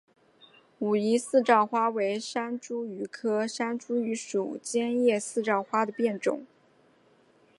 武夷四照花为山茱萸科山茱萸属尖叶四照花的变种。